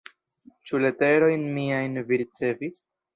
Ĉu leterojn miajn vi ricevis?